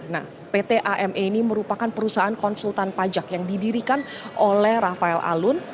nah pt ame ini merupakan perusahaan konsultan pajak yang didirikan oleh rafael alun